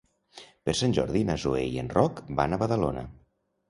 Per Sant Jordi na Zoè i en Roc van a Badalona.